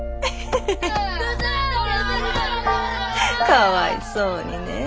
かわいそうにねえ。